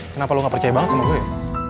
kenapa lo gak percaya banget sama gue